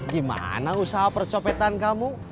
gimana usaha percopetan kamu